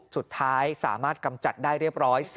สุดท้ายสามารถกำจัดได้เรียบร้อย